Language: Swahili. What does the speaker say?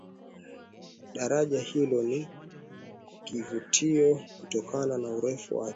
Daraja hilo ni kivutio kutokana na urefu wake